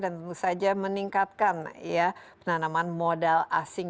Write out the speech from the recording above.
dan tentu saja meningkatkan ya penanaman modal asing